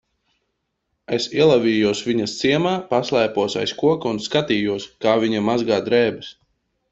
Es ielavījos viņas ciemā, paslēpos aiz koka un skatījos, kā viņa mazgā drēbes.